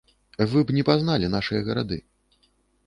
Вы б не пазналі нашыя гарады.